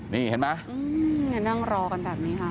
นี่เห็นไหมอืมเห็นไหมนั่งรอกันแบบนี้ฮะ